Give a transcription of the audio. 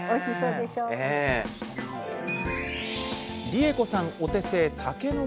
理恵子さんお手製